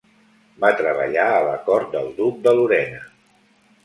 Va treballar a la cort del Duc de Lorena.